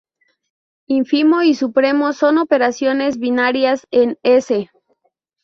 Ínfimo y supremo son operaciones binarias en "S".